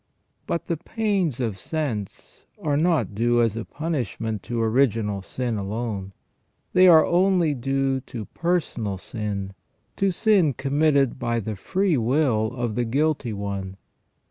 * But the pains of sense are not due as a punishment to original sin alone. They are only due to personal sin, to sin committed by the free will of the guilty one.